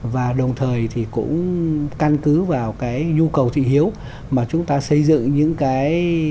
và đồng thời thì cũng căn cứ vào cái nhu cầu thị hiếu mà chúng ta xây dựng những cái